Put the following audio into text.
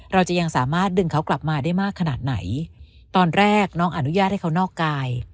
เราจะยังสามารถดึงเขากลับมาได้มากขนาดไหนตอนแรกน้องอนุญาตให้เขานอกกาย